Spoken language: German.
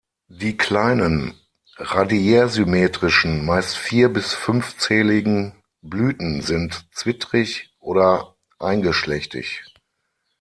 Die kleinen, radiärsymmetrischen, meist vier- bis fünfzähligen Blüten sind zwittrig oder eingeschlechtig.